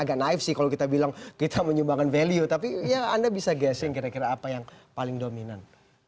agak naif sih kalau kita bilang kita menyumbangkan value tapi ya anda bisa gesing kira kira apa yang paling dominan